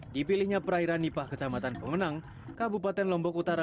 dipilihnya perairan nipah kecamatan pemenang kabupaten lombok utara